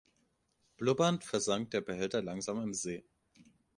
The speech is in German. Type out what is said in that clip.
Blubbernd versank der Behälter langsam im See.